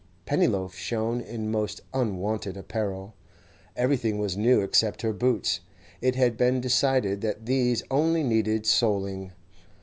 Pennyloaf shone in most unwonted apparel. Everything was new except her boots—it had been decided that these only needed soling.